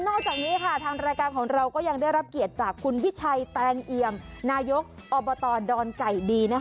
จากนี้ค่ะทางรายการของเราก็ยังได้รับเกียรติจากคุณวิชัยแตงเอียมนายกอบตดอนไก่ดี